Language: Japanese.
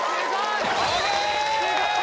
すごい！